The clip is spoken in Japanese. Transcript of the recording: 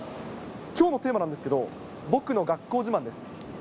きょうのテーマなんですけど、学校自慢？